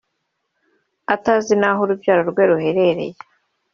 atazi n’aho urubyaro rwe ruherereye